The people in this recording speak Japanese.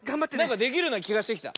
できるようなきがしてきた。